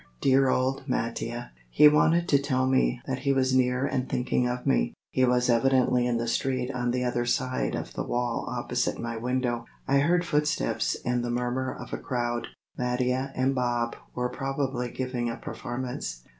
Dear old Mattia! he wanted to tell me that he was near and thinking of me. He was evidently in the street on the other side of the wall opposite my window. I heard footsteps and the murmur of a crowd. Mattia and Bob were probably giving a performance.